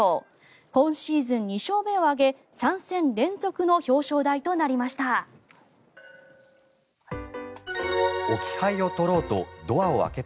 今シーズン２勝目を挙げ３戦連続の表彰台となりました。